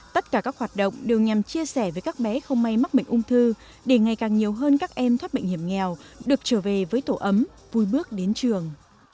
tất cả các hoạt động đều nhằm chia sẻ với các bé không may mắc bệnh ung thư để ngày càng nhiều hơn các em thoát bệnh hiểm nghèo được trở về với tổ ấm vui bước đến trường